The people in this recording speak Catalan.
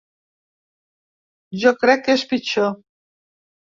Jo crec que és pitjor.